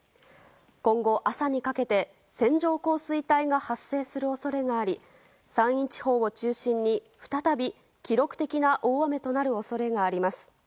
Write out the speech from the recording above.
今後、朝にかけて線状降水帯が発生する恐れがあり山陰地方を中心に、再び記録的な大雨となる恐れがあります。